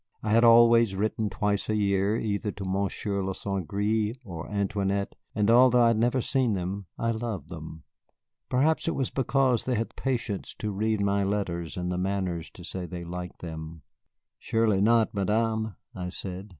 "I had always written twice a year either to Monsieur de St. Gré or Antoinette, and although I had never seen them, I loved them. Perhaps it was because they had the patience to read my letters and the manners to say they liked them." "Surely not, Madame," I said.